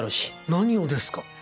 何をですか？